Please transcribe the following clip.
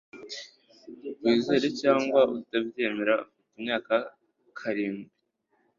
Wizere cyangwa utabyemera afite imyaka karindwi